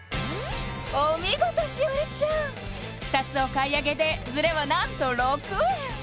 お見事栞里ちゃん２つお買い上げでズレは何と６円